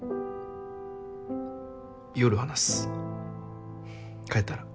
夜話す帰ったら。